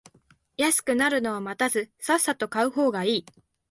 安くなるのを待たずさっさと買う方がいい